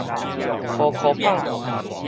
箍箍麭